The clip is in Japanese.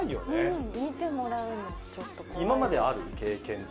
うん。